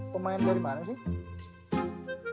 pemain dari mana sih